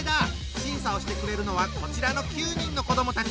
審査をしてくれるのはこちらの９人の子どもたち。